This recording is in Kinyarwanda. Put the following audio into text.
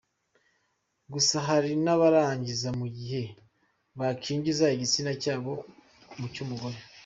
Gusa hari n’abarangiza mu gihe bakinjiza igitsina cyabo mu cy’umugore.